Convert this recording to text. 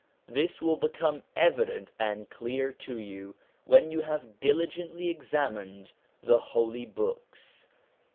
This will become evident and clear to you when you have diligently examined the Holy Books.